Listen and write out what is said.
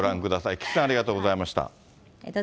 菊池さん、ありがとうございました。